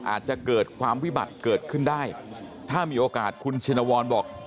อาจจะเกิดความวิบัติเกิดขึ้นได้ถ้ามีโอกาสคุณชินวรบอก